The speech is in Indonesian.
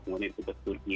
kemudian juga turki